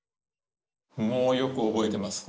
もうよく覚えてます